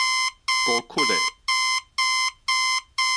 孤 𣮈 的